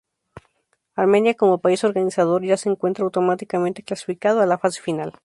Armenia, como país organizador, ya se encuentra automáticamente clasificado a la fase final.